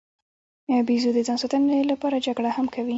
بیزو د ځان ساتنې لپاره جګړه هم کوي.